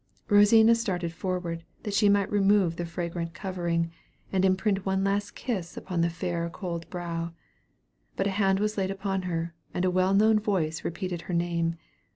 Rosina started forward that she might remove the fragrant covering, and imprint one last kiss upon the fair cold brow; but a hand was laid upon her, and a well known voice repeated her name.